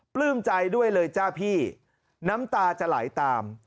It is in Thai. ปลื้มใจด้วยเลยจ้าพี่น้ำตาจะไหลตาม